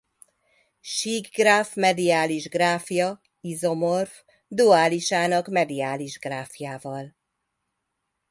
Síkgráf mediális gráfja izomorf duálisának mediális gráfjával.